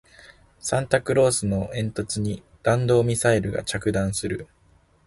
サンタクロースの煙突に弾道ミサイルが着弾する